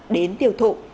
đến tiêu thụ